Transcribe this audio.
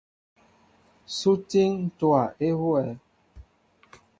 Sú étííŋ ntówa huwɛέ ?